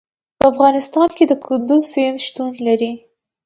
په افغانستان کې د کندز سیند شتون لري.